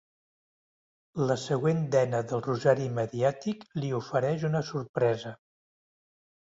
La següent dena del rosari mediàtic li ofereix una sorpresa.